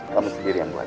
kamu sendiri yang buat